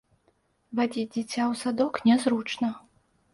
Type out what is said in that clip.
Вадзіць дзіця ў садок нязручна.